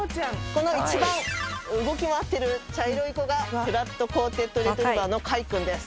この一番動き回ってる茶色い子がフラットコーテッド・レトリーバーのカイ君です。